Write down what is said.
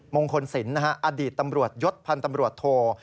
มงคลศิลป์อดีตตำรวจยศพันธ์ตำรวจโท